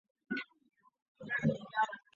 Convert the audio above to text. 近年的一日平均上车人次推移如下表。